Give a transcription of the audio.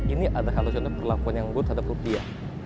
ini adalah halusinan perlakuannya yang bagus terhadap rupiah